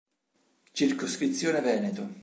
Circoscrizione Veneto